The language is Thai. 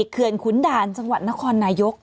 เขื่อนขุนด่านจังหวัดนครนายก